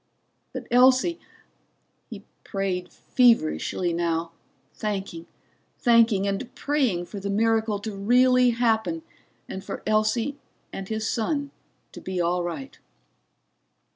But Elsie He prayed feverishly now, thanking, thanking, and praying for the miracle to really happen and for Elsie and his son to be all right.